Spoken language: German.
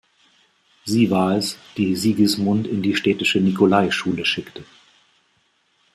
Sie war es, die Sigismund in die städtische Nikolaischule schickte.